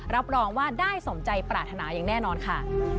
รับรองว่าได้สมใจปรารถนาอย่างแน่นอนค่ะ